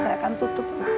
saya akan tutup